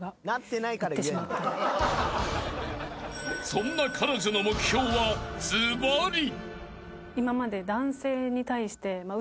［そんな彼女の目標はずばり］